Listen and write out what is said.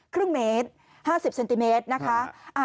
ครึ่งเมตร๕๐เซนติเมตรนะคะ